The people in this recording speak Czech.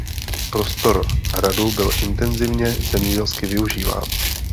Prostor hradu byl intenzivně zemědělsky využíván.